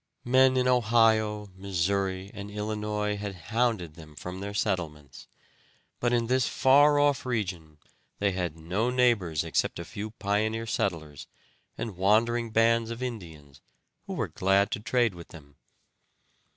Men in Ohio, Missouri, and Illinois had hounded them from their settlements, but in this far off region they had no neighbors except a few pioneer settlers, and wandering bands of Indians, who were glad to trade with them.